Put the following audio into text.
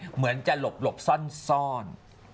เหมือนจะหลบซ่อน